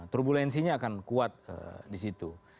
turbulensinya akan kuat disitu